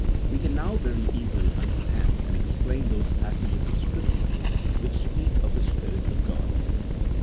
We can now very easily understand and explain those passages of Scripture which speak of the Spirit of God.